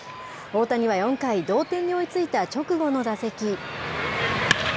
大谷は４回、同点に追いついた直後の打席。